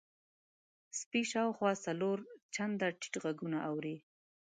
سپی شاوخوا څلور چنده ټیټ غږونه اوري.